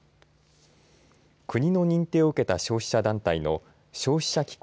国の認定を受けた消費者団体の消費者機構